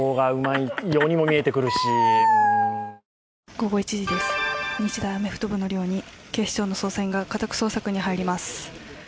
午後１時です、日大アメフト部の寮に警視庁の捜査員が家宅捜索に入ります。